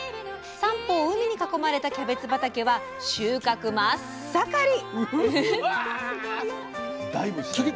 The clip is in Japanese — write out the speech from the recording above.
三方を海に囲まれたキャベツ畑は収穫真っ盛り！